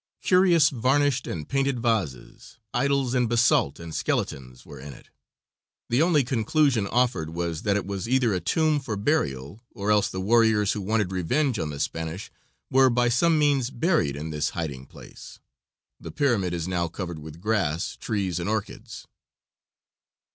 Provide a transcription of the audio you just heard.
Curious varnished and painted vases, idols in basalt and skeletons were in it. The only conclusion offered was that it was either a tomb for burial or else the warriors who wanted revenge on the Spanish were by some means buried in this hiding place. The pyramid is now covered with grass, trees and orchids.